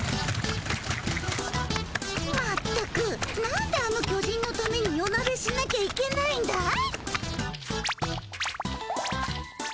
まったくなんであの巨人のために夜なべしなきゃいけないんだい？